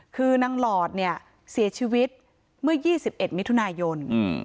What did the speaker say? คือนางหลอดเนี่ยเสียชีวิตเมื่อ๒๑มิถุนายน